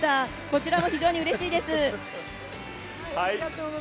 こちらも非常にうれしいです。